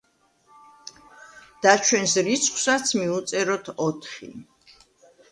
და ჩვენს რიცხვსაც მივუწეროთ ოთხი.